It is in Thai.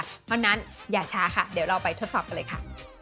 เพราะฉะนั้นอย่าช้าค่ะเดี๋ยวเราไปทดสอบกันเลยค่ะ